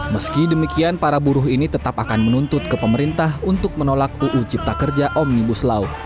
meski demikian para buruh ini tetap akan menuntut ke pemerintah untuk menolak uu cipta kerja omnibus law